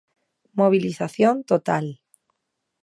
"Mobilización total".